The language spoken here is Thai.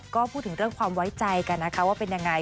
ก็พูดถึงเรื่องความไว้ใจกันนะคะว่าเป็นยังไง